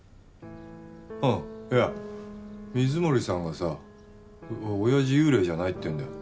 うん。いや水森さんがさおやじ幽霊じゃないって言うんだよ。